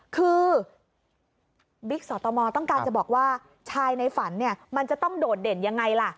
คือบิ๊กสตมต้องการจะบอกว่าชายในฝันเนี่ยมันจะต้องโดดเด่นยังไงล่ะ